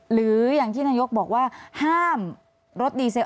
หรืออย่างที่นายกบอกว่าห้ามรถดีเซล